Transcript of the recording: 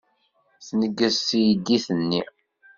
Tneggez teydit-nni.